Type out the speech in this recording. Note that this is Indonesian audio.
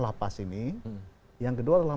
lapas ini yang kedua adalah